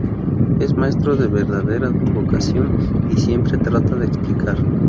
Es maestro de verdadera vocación, y siempre trata de explicar.